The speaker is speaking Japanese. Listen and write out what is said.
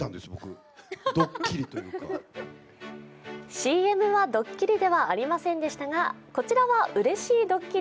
ＣＭはドッキリではありませんでしたが、こちらはうれしいドッキリ。